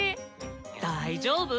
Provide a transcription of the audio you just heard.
大丈夫？